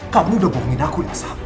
kamu udah bohongin aku ya elsa